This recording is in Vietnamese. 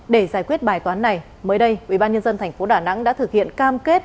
để giải quyết bài toán này mới đây ubnd tp đà nẵng đã thực hiện cam kết